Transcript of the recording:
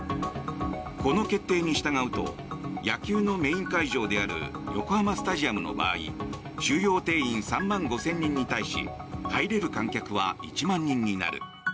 この決定に従うと野球のメイン会場である横浜スタジアムの場合収容定員３万５０００人に対し入れる観客は１万人になる。